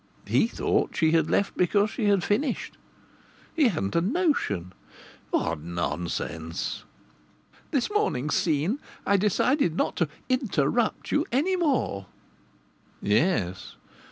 He thought she had left because she had finished. He hadn't a notion what nonsense! " this morning's scene, I decided not to 'interrupt' you any more " Yes.